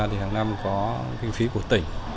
thì hàng năm có kinh phí của tỉnh